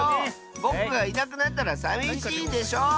ぼくがいなくなったらさみしいでしょ！